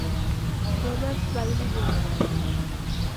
Robert Bailey, Jr.